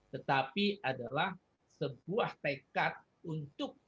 tetapi adalah sebuah tekad untuk